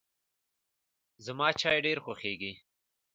زما چای ډېر خوښیږي.